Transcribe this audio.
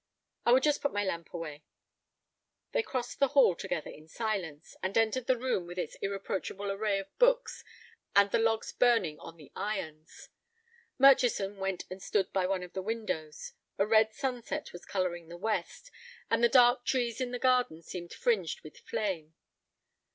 "I will just put my lamp away." They crossed the hall together in silence, and entered the room with its irreproachable array of books, and the logs burning on the irons. Murchison went and stood by one of the windows. A red sunset was coloring the west, and the dark trees in the garden seemed fringed with flame.